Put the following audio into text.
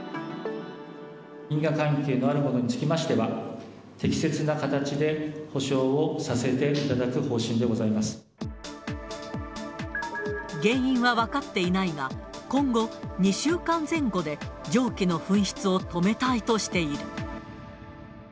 因果関係のあるものにつきましては、適切な形で補償をさせて原因は分かっていないが、今後、２週間前後で蒸気の噴出を止めたいとしている。